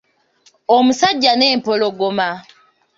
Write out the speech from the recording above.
Omusajja n'empologoma.